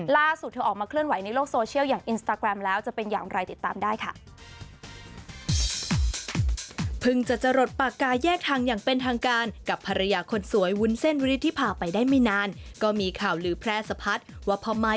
ล่าสุดเธอออกมาเคลื่อนไหวในโลกโซเชียลอย่างอินสตาแกรมแล้ว